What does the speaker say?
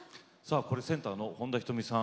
センターの本田仁美さん